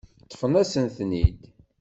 Ṭṭfen-asen-ten-id.